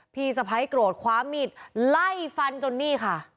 พี่สะพ้ายโกรธคว้ามีดไล่ฟันจนนี่ค่ะ